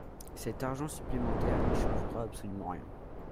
Cet argent supplémentaire n’y changera absolument rien.